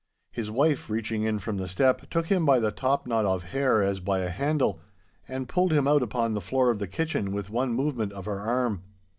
His wife, reaching in from the step, took him by the top knot of hair as by a handle, and pulled him out upon the floor of the kitchen with one movement of her arm.